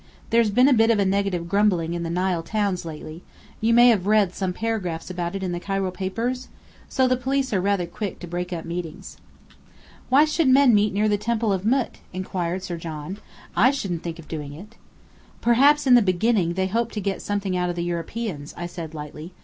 There's been a bit of native grumbling in these Nile towns lately you may have read some paragraph about it in the Cairo papers? So the police are rather quick to break up meetings." "Why should men meet near the Temple of Mût?" inquired Sir John. "I shouldn't think of doing it." "Perhaps in the beginning they hoped to get something out of the Europeans," said I lightly.